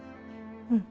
うん。